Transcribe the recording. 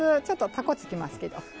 ちょっと高うつきますけど。